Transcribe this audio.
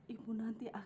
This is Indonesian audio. ibu nanti akan menangis